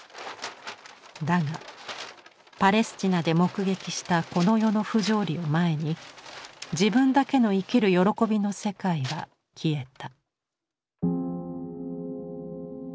だがパレスチナで目撃したこの世の不条理を前に自分だけの生きる喜びの世界は消えた。